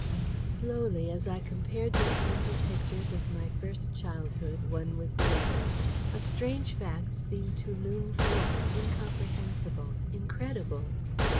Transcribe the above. Slowly, as I compared these mental pictures of my first childhood one with the other, a strange fact seemed to loom forth, incomprehensible, incredible.